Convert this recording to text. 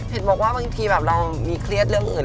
เห็นบอกว่าบางทีแบบเรามีเครียดเรื่องอื่น